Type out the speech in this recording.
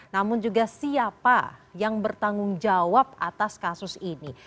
namun juga siapa yang bertanggung jawab atas kasus ini